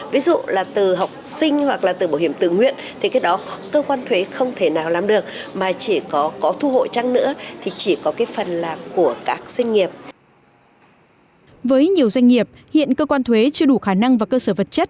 với nhiều doanh nghiệp hiện cơ quan thuế chưa đủ khả năng và cơ sở vật chất